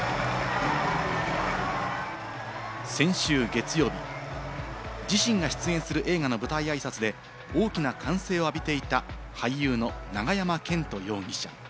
先週月曜日、自身が出演する映画の舞台あいさつで大きな歓声を浴びていた俳優の永山絢斗容疑者。